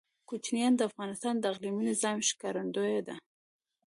کوچیان د افغانستان د اقلیمي نظام ښکارندوی ده.